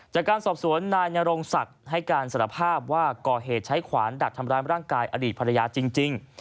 จากการสอบสวนนายนรงศักดิ์ให้การสารภาพว่าก่อเหตุใช้ขวานดัดทำร้ายร่างกายอดีตภรรยาจริง